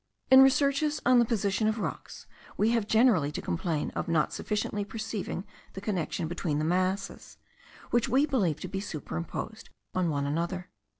In researches on the position of rocks we have generally to complain of not sufficiently perceiving the connection between the masses, which we believe to be superimposed on one another.